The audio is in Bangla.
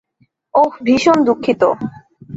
ওহ, ভীষণ দুঃখিত।